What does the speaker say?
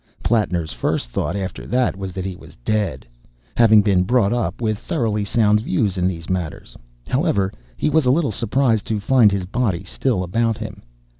Plattner's first thought after that was that he was dead. Having been brought up with thoroughly sound views in these matters, however, he was a little surprised to find his body still about him.